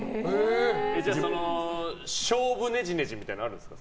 じゃあ、勝負ねじねじみたいのあるんですか？